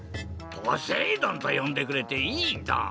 ポセイ丼とよんでくれていいドン！